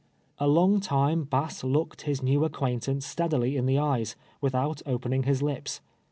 A long time Bass looked his new acquaintance steadily in the eyes, without opening his lips.